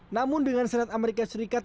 namun dengan serat amerika serikat